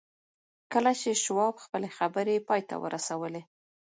کله چې شواب خپلې خبرې پای ته ورسولې